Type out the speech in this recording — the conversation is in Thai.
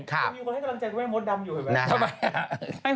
มีคนให้กำลังใจดูว่าไอ้มดดำอยู่ไหม